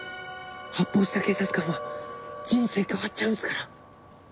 発砲した警察官は人生変わっちゃうんすから。